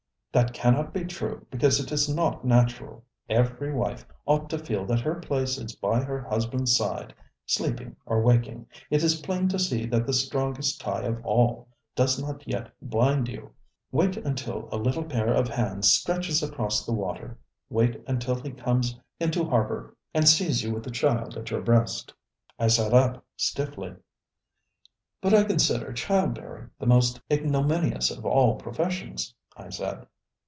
ŌĆ£That cannot be true because it is not natural. Every wife ought to feel that her place is by her husbandŌĆÖs sideŌĆösleeping or waking. It is plain to see that the strongest tie of all does not yet bind you. Wait until a little pair of hands stretches across the waterŌĆöwait until he comes into harbour and sees you with the child at your breast. ŌĆØ I sat up stiffly. ŌĆ£But I consider child bearing the most ignominious of all professions, ŌĆØ I said.